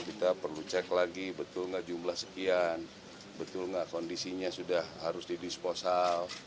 kita perlu cek lagi betul nggak jumlah sekian betul nggak kondisinya sudah harus di disposal